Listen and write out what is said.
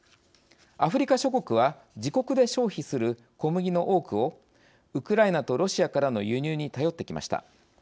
アフリカ諸国は自国で消費する小麦の多くをウクライナとロシアからの輸入に頼ってきました。